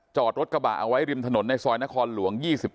รถกระบะเอาไว้ริมถนนในซอยนครหลวง๒๙